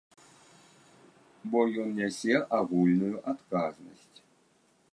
Бо ён нясе агульную адказнасць.